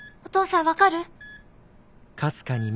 お父さん分かる？